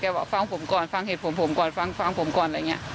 บอกฟังผมก่อนฟังเหตุผลผมผมก่อนฟังฟังผมก่อนอะไรอย่างนี้